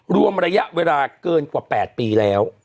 รวมระยะเวลาเกินกว่า๘ปีแล้ว